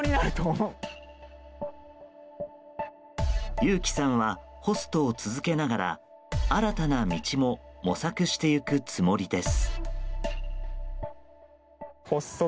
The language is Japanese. ユウキさんはホストを続けながら新たな道も模索していくつもりです。